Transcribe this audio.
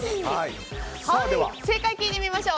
正解を聞いてみましょう。